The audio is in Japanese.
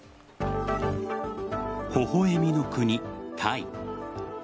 微笑みの国、タイ。